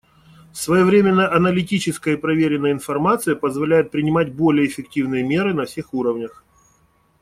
Своевременная, аналитическая и проверенная информация позволяет принимать более эффективные меры на всех уровнях.